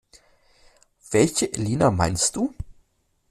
Welche Elina meinst du?